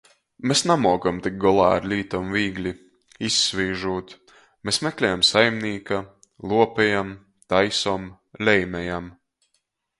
Mes namuokam tikt golā ar lītom vīgli - izsvīžūt. Mes meklejam saiminīka, luopejam, taisom, leimejam.